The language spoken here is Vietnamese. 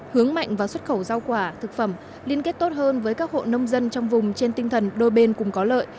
hướng mạnh vào xuất khẩu rau quả thực phẩm liên kết tốt hơn với các hộ nông dân trong vùng trên tinh thần đôi bên cùng có lợi